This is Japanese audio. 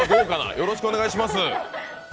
よろしくお願いします。